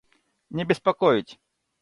Не беспокоить!